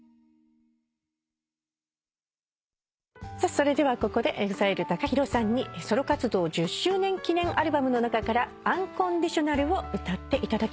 それではここでＥＸＩＬＥＴＡＫＡＨＩＲＯさんにソロ活動１０周年記念アルバムの中から『Ｕｎｃｏｎｄｉｔｉｏｎａｌ』を歌っていただきます。